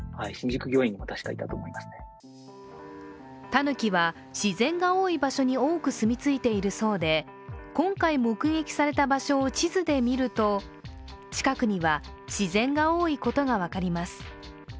たぬきは自然が多い場所に多く住み着いているそうで今回目撃された場所を地図で見ると近くには自然が多いことが分かります。